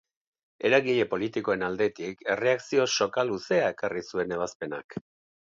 Eragile politikoen aldetik erreakzio soka luzea ekarri zuen ebazpenak.